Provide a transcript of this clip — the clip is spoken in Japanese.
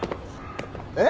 えっ？